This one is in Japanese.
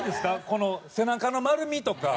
この背中の丸みとか。